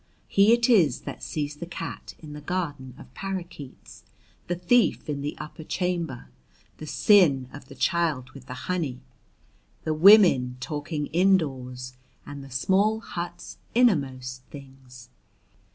He it is that sees the cat in the garden of parakeets, the thief in the upper chamber, the sin of the child with the honey, the women talking indoors and the small hut's innermost things.